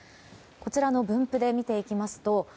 こちらの分布で見ていきますと